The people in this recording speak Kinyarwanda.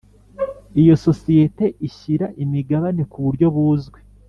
iyo sosiyete ishyira imigabane ku buryo buzwi